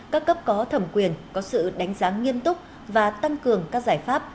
các cấp có thẩm quyền có sự đánh giá nghiêm túc và tăng cường các giải pháp